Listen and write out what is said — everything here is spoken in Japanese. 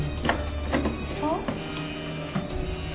そう？